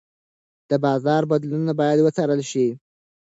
د بازار بدلونونه باید وڅارل شي.